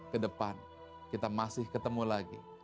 kedepan kita masih ketemu lagi